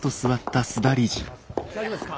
大丈夫ですか？